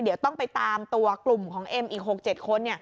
เดี๋ยวต้องไปตามตัวกลุ่มของเอ็มอีก๖๗คน